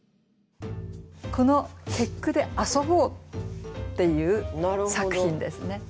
この結句で遊ぼうっていう作品ですね。